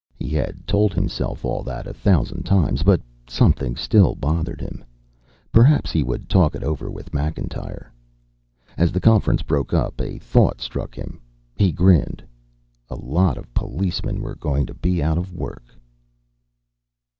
He had told himself all that a thousand times, but something still bothered him. Perhaps he would talk it over with Macintyre. As the conference broke up, a thought struck him. He grinned. A lot of policemen were going to be out of work!